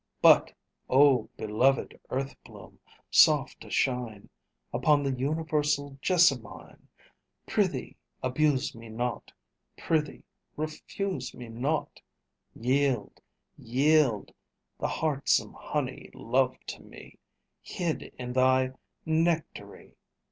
But, O beloved Earthbloom soft a shine Upon the universal Jessamine, Prithee, abuse me not, Prithee, refuse me not, Yield, yield the heartsome honey love to me Hid in thy nectary!"